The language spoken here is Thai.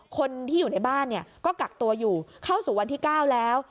คนที่อยู่ในบ้านเนี่ยก็กักตัวอยู่เข้าสู่วันที่๙แล้ว